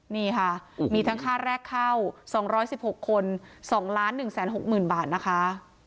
นี่ค่ะมีทั้งค่าแรกเข้า๒๑๖คน๒๑๖๐๐๐บาทนะคะ